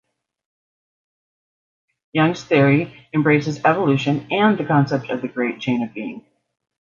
Young's theory embraces evolution and the concept of the great chain of being.